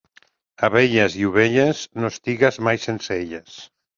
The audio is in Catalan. Abelles i ovelles, no estigues mai sense elles.